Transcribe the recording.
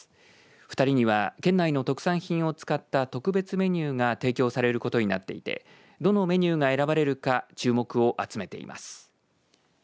２人には県内の特産品を使った特別メニューが提供されることになっていてどのメニューが選ばれるか注目を集めています。